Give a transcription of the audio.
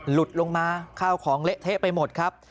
หลุดลงมาข้าวของเละเทะไปหมดครับ